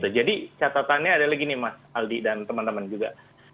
jadi catatannya adalah gini mas aldi dan teman teman juga